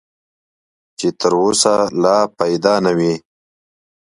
چې تر اوسه لا پیدا نه وي .